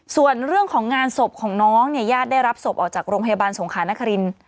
ส่วนเรื่องของงานศพของน้องเนี่ยญาติได้รับศพออกจากโรงพยาบาลสงขานคริน